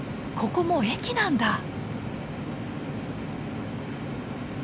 ここも駅なんだ！